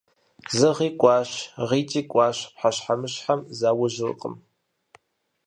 Зы гъи кӀуащ, гъитӀи кӀуащ – пхъэщхьэмыщхьэм заужьыжыркъым.